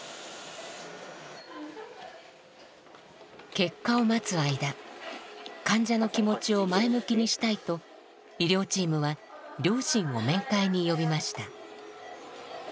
結果を待つ間患者の気持ちを前向きにしたいと医療チームは両親を面会に呼びました。